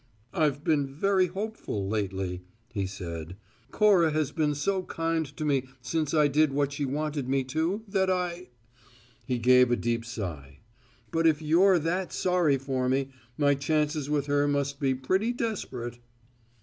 "I've been very hopeful lately," he said. "Cora has been so kind to me since I did what she wanted me to, that I " He gave a deep sigh. "But if you're that sorry for me, my chances with her must be pretty desperate."